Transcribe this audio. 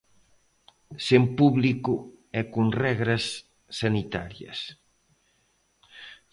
Sen público e con regras sanitarias.